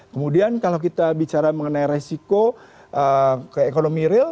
kemudian kalau kita bicara mengenai resiko ekonomi real